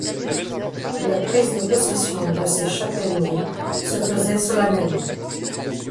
La prise de possession de ces chapellenies se faisait solennellement.